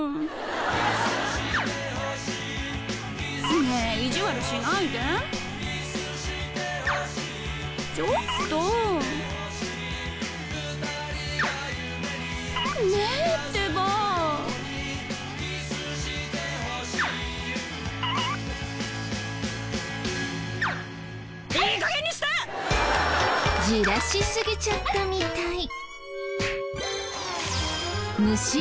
焦らしすぎちゃったみたい。